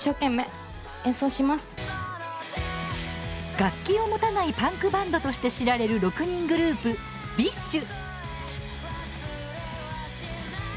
楽器を持たないパンクバンドとして知られる６人グループＢｉＳＨ。